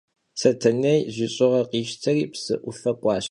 Setenêy jış'ığe khişteri Psıj 'ufe k'uaş.